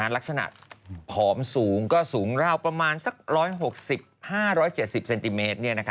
ลักษณะผอมสูงก็สูงราวประมาณสัก๑๖๐๕๗๐เซนติเมตร